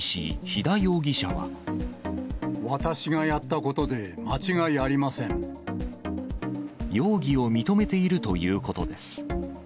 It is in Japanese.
私がやったことで間違いあり容疑を認めているということです。